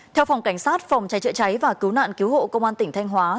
theo phòng cảnh sát phòng cháy chữa cháy và cứu nạn cứu hộ công an tỉnh thanh hóa